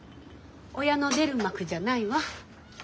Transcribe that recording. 親の出る幕じゃないわ。